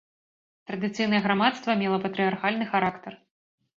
Традыцыйнае грамадства мела патрыярхальны характар.